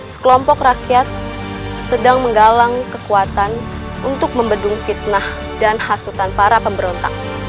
sekelompok rakyat sedang menggalang kekuatan untuk membedung fitnah dan hasutan para pemberontak